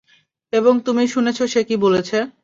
এবং তুমি শুনেছ সে কি বলেছে।